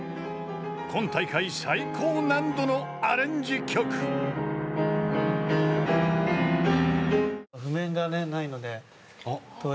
［今大会最高難度のアレンジ曲］譜面がねないので。